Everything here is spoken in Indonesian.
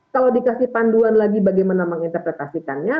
kalau dikasih panduan lagi bagaimana menginterpretasikannya